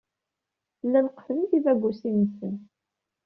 Llan qefflen tibagusin-nsen.